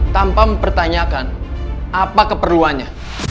tanpa mempertanyakan apa keperluannya